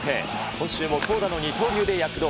今週も投打の二刀流で躍動。